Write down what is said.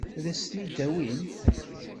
Ad as-ten-id-tawim?